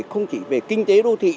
không chỉ về kinh tế đô thị